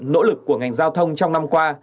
nỗ lực của ngành giao thông trong năm qua